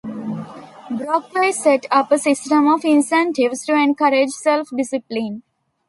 Brockway set up a system of incentives to encourage self-discipline.